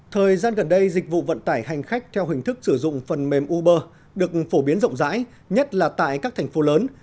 thời gian gần đây dịch vụ vận tải hành khách theo hình thức sử dụng phần mềm uber được phổ biến rộng rãi nhất là tại các thành phố lớn